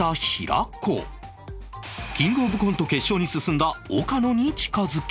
キングオブコント決勝に進んだ岡野に近付き